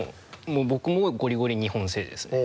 もう僕もゴリゴリ日本製ですね。